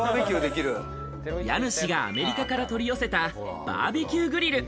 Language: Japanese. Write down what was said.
家主がアメリカから取り寄せたバーベキューグリル。